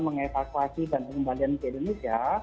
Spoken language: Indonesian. mengevakuasi dan pengembalian ke indonesia